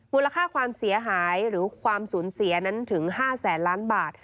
มูลค่าความเสียหายหรือความสูญเสียนั้นถึง๕แสนล้านบาท